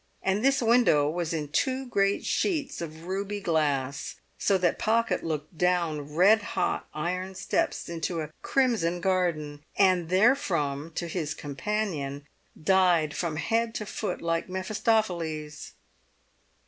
And this window was in two great sheets of ruby glass, so that Pocket looked down red hot iron steps into a crimson garden, and therefrom to his companion dyed from head to foot like Mephistopheles.